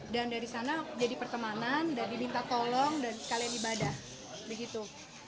dan dari sana jadi pertemanan dan dibinta tolong dan sekalian ibadah begitu